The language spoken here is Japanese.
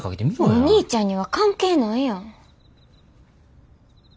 お兄ちゃんには関係ないやん。